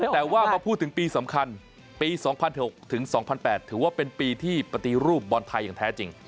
แต่ว่ามาพูดถึงปีสำคัญปี๒๐๐๖ถึง๒๐๐๘ถือว่าเป็นปีที่ปฏิรูปบอลไทยอย่างแท้จริง